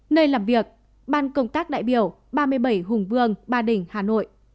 nơi làm việc ban công tác đại biểu ba mươi bảy hùng vương ba đình hà nội